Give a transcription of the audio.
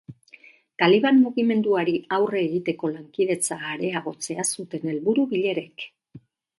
Taliban mugimenduari aurre egiteko lankidetza areagotzea zuten helburu bilerek.